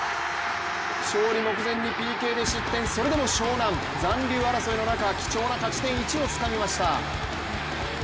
勝利目前にＰＫで失点、それでも湘南、残留争いの中貴重な勝ち点１をつかみました。